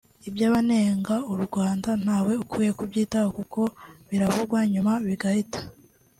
iby’abanenga u Rwanda ntawe ukwiye kubyitaho kuko biravugwa nyuma bigahita